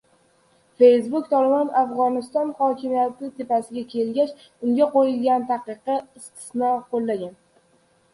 Facebook “Tolibon” Afg‘onistonda hokimiyat tepasiga kelgach unga qo‘yilgan taqiqqa istisno qo‘llagan